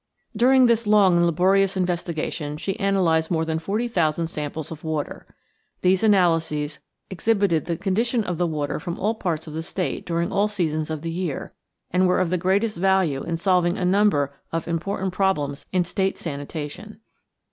During this long and laborious investigation she analyzed more than forty thousand samples of water. These analyses exhibited the condition of the water from all parts of the state during all seasons of the year and were of the greatest value in solving a number of important problems in state sanitation.